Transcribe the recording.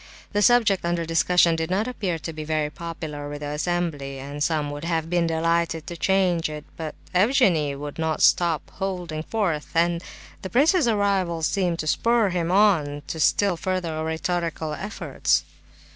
The subject under discussion did not appear to be very popular with the assembly, and some would have been delighted to change it; but Evgenie would not stop holding forth, and the prince's arrival seemed to spur him on to still further oratorical efforts.